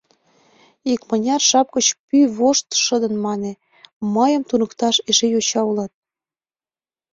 Икмыняр жап гыч пӱй вошт шыдын мане: «Мыйым туныкташ эше йоча улат!»...